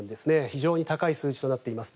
非常に高い数字となっています。